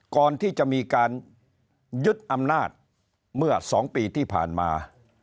ก่อนที่จะมีการยึดอำนาจเมื่อ๒ปีที่ผ่านมา